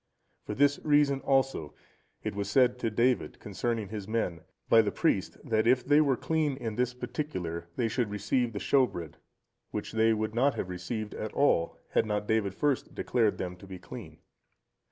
For this reason also, it was said to David, concerning his men, by the priest, that if they were clean in this particular, they should receive the shewbread, which they would not have received at all, had not David first declared them to be clean.